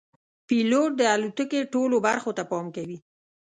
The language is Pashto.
پیلوټ د الوتکې ټولو برخو ته پام کوي.